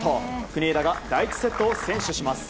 国枝が第１セットを先取します。